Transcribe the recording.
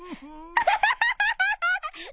アハハハ！